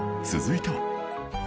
続いては